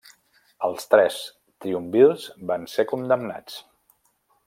Els tres triumvirs van ser condemnats.